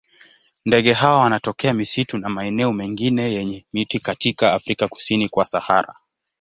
Ndege hawa wanatokea misitu na maeneo mengine yenye miti katika Afrika kusini kwa Sahara.